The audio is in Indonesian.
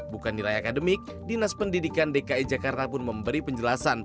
bukan nilai akademik dinas pendidikan dki jakarta pun memberi penjelasan